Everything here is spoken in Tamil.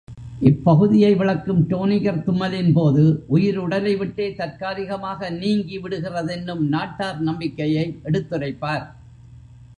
இப்பகுதியை விளக்கும் டோனிகர் தும்மலின்போது உயிர் உடலை விட்டே தற்காலிகமாக நீங்கி விடுகிறதென்னும் நாட்டார் நம்பிக்கையை எடுத்துரைப்பார்.